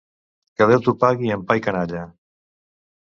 Que Déu t'ho pagui amb pa i canalla.